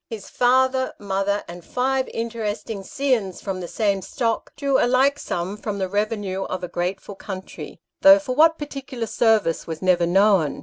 His father, mother, and five interesting scions from the same stock, drew a like sum from the revenue of a grateful country, though for what particular service was never known.